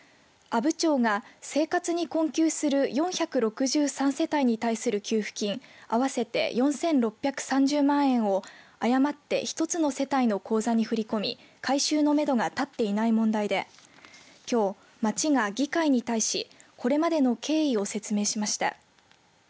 阿武町が生活に困窮する４６３世帯に対する給付金合わせて４６３０万円を誤って１つの世帯の口座に振り込み回収のめどがたっていない問題できょう、町が議会に対しこれまでの経緯を説明しました。